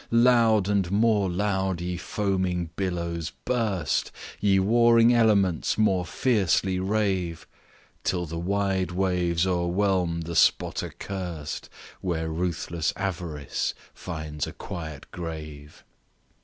"Loud and more loud, ye foaming billows, burst! Ye warring elements, more fiercely rave! Till the wide waves o'erwhelm the spot accurst 'Where ruthless Avarice finds a quiet grave!'